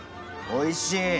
おいしい。